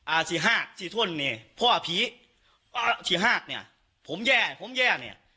อ่าสี่ห้าสี่ท่นเนี่ยพ่อผีพ่อสี่ห้าเนี้ยผมแย่ผมแย่เนี้ย